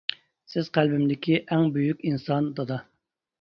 سىز قەلبىمدىكى ئەڭ بۈيۈك ئىنسان دادا.